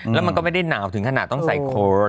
แล้วมันก็ไม่ได้หนาวถึงขนาดต้องใส่โค้ด